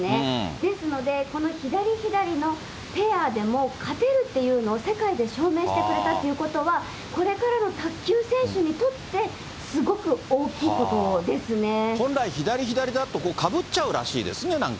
ですので、この左・左のペアでも勝てるというのを、世界で証明してくれたっていうことは、これからの卓球選手にとっ本来、左・左だと、かぶっちゃうらしいですね、なんか。